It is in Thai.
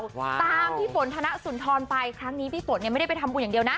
ตามพี่ฝนธนสุนทรไปครั้งนี้พี่ฝนเนี่ยไม่ได้ไปทำบุญอย่างเดียวนะ